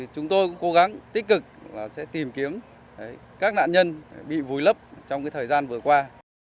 chúng tôi cũng cố gắng tích cực sẽ tìm kiếm các nạn nhân bị vùi lấp trong thời gian vừa qua